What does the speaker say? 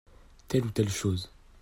Telle ou telle chose.